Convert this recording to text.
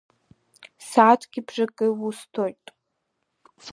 Сааҭки бжаки усҭоит!